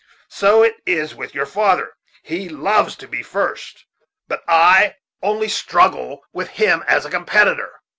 So it is with your father he loves to be first; but I only; struggle with him as a competitor."